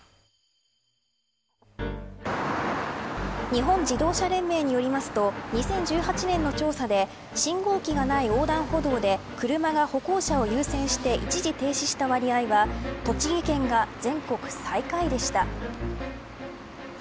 日本自動車連盟によりますと２０１８年の調査で信号機がない横断歩道で車が歩行者を優先して一時停止した割合は栃木県が全国最下位でした。